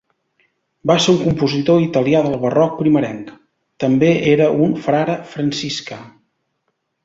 Va ser un compositor italià del Barroc primerenc; també era un frare franciscà.